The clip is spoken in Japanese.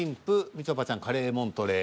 みちょぱちゃん「カレーモントレー」。